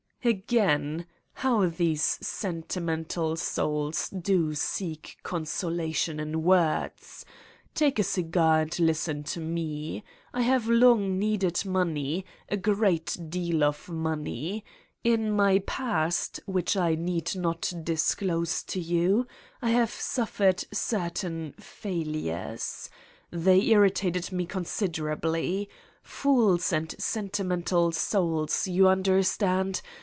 "Again! How these sentimental souls do seek consolation in words ! Take a cigar and listen to me. I have long needed money, a great deal of money. In my past, which I need not disclose to you, I have suffered certain ... failures. They irritated me considerably. Fools and sentimental souls, you understand?